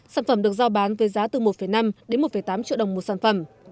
sản phẩm được giao bán với giá từ một năm đến một tám triệu đồng một sản phẩm